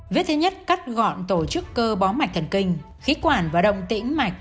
vết thứ nhất cắt gọn tổ chức cơ bó mạch thần kinh khí quản và đồng tĩnh mạch